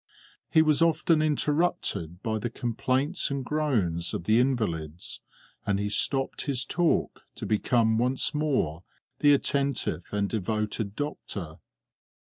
He was often interrupted by the complaints and groans of the invalids, and he stopped his talk to become once more the attentive and devoted doctor.